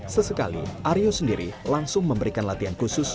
sesekali aryo sendiri langsung memberikan latihan khusus